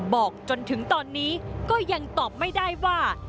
บอกจนถึงตอนนี้ก็ยังตอบไม่ได้ว่า